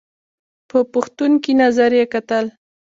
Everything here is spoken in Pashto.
په پوښتونکي نظر یې کتل !